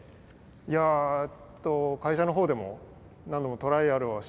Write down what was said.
いや会社のほうでも何度もトライアルをしてきたんですけども